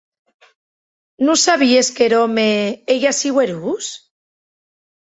Non sabies qu’er òme ei aciu erós?